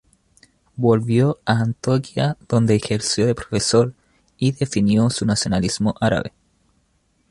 Volvió a Antioquía donde ejerció de profesor y definió su nacionalismo árabe.